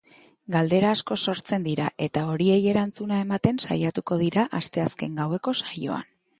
Galdera asko sortzen dira eta horiei erantzuna ematen saiatuko dira asteazken gaueko saioan.